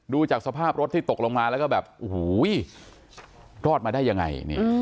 ดูจากสภาพรถที่ตกลงมาแล้วก็รอดมาได้ยังไง